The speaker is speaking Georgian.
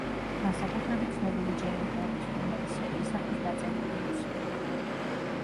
განსაკუთრებით ცნობილი ჯეიმზ ბონდის ფილმების სერიისათვის დაწერილი მუსიკით.